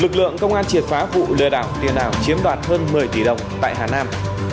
lực lượng công an triệt phá vụ lừa đảo tiền ảo chiếm đoạt hơn một mươi tỷ đồng tại hà nam